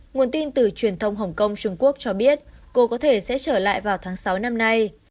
nguồn tin từ truyền thông hồng kông trung quốc cho biết cô có thể sẽ trở lại vào tháng sáu năm nay